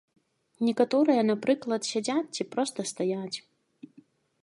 Некаторыя, напрыклад, сядзяць ці проста стаяць.